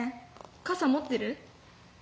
傘持ってる？」。